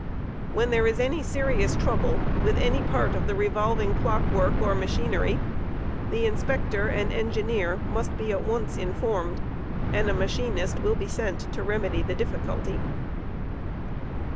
When there is any serious trouble with any part of the revolving clock* work or machinery the Inspector and Engineer must be at once informed, and a machinist will be sent to remedy the difficulty.